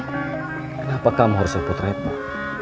kenapa kamu harus sebut repot